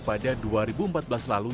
pada dua ribu empat belas lalu